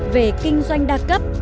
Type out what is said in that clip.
về kinh doanh đa cấp